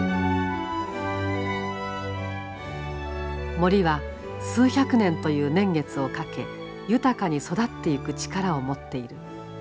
森は数百年という年月をかけ豊かに育っていく力を持っている。